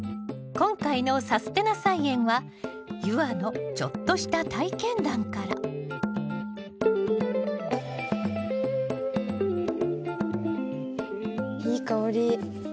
今回の「さすてな菜園」は夕空のちょっとした体験談からいい香り。